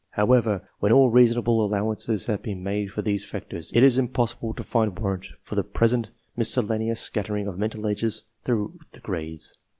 How ever, when all reasonable allowance has been made for . these factors, it is impossible to find warrant for the present miscellaneous scattering of mental ages through the grades.